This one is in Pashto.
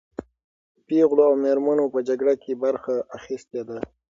پېغلو او مېرمنو په جګړه کې برخه اخیستې ده.